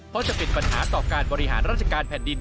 เพราะจะเป็นปัญหาต่อการบริหารราชการแผ่นดิน